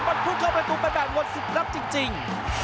บอลพูดเข้าประตูไปแบบวดศิลป์จริง